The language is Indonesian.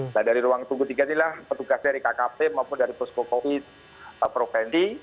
nah dari ruang tunggu tiga inilah petugas dari kkp maupun dari pusko covid provinsi